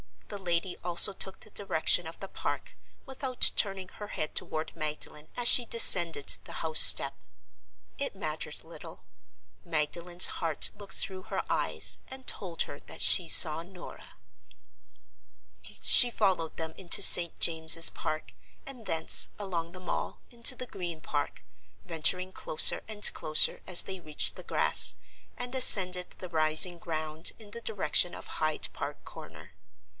The lady also took the direction of the Park, without turning her head toward Magdalen as she descended the house step. It mattered little; Magdalen's heart looked through her eyes, and told her that she saw Norah. She followed them into St. James's Park, and thence (along the Mall) into the Green Park, venturing closer and closer as they reached the grass and ascended the rising ground in the direction of Hyde Park Corner.